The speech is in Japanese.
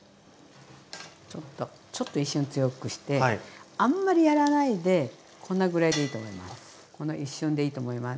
ちょっと一瞬強くしてあんまりやらないでこんなぐらいでいいと思います。